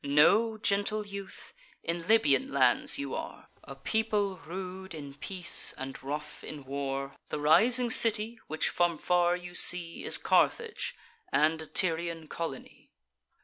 Know, gentle youth, in Libyan lands you are: A people rude in peace, and rough in war. The rising city, which from far you see, Is Carthage, and a Tyrian colony.